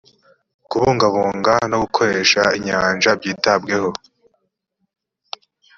kubungabunga no gukoresha inyanja byitabweho